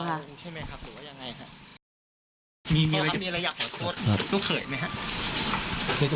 ใช่ไหมครับหรือว่ายังไงค่ะมีมีอะไรมีอะไรอยากขอโทษครับ